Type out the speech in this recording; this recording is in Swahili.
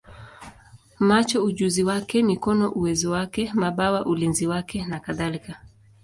macho ujuzi wake, mikono uwezo wake, mabawa ulinzi wake, nakadhalika.